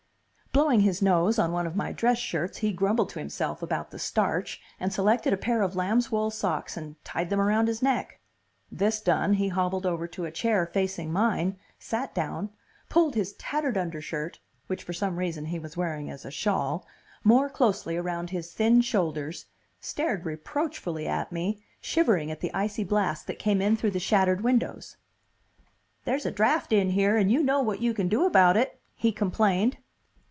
Blowing his nose on one of my dress shirts he grumbled to himself about the starch and selected a pair of lamb's wool socks and tied them around his neck. This done, he hobbled over to a chair facing mine, sat down, pulled his tattered undershirt, which for some reason he was wearing as a shawl, more closely around his thin shoulders, stared reproachfully at me, shivering at the icy blast that came in thru the shattered windows. "There's a draft in here, and you know what you can do about it," he complained.